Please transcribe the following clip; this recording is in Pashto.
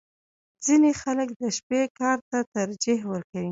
• ځینې خلک د شپې کار ته ترجیح ورکوي.